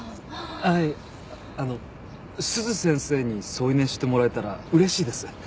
あの鈴先生に添い寝してもらえたら嬉しいです。